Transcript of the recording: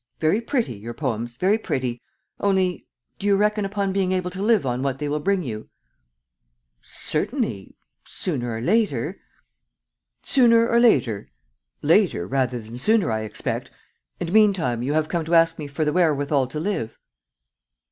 ... Very pretty, your poems, very pretty. ... Only, do you reckon upon being able to live on what they will bring you?" "Certainly ... sooner or later. ..." "Sooner or later? Later rather than sooner, I expect! And, meantime, you have come to ask me for the wherewithal to live?"